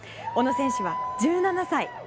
小野選手は１７歳。